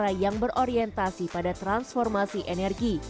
jika anda ingin mencoba silakan berlangganan kami di www jerman com